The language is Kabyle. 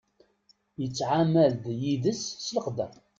Yettɛamal d yid-s s leqder.